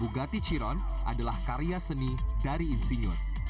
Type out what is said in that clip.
bugati chiron adalah karya seni dari insinyur